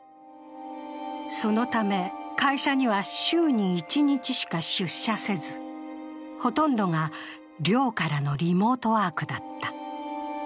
そのため会社には週に１日しか出社せずほとんどが寮からのリモートワークだった。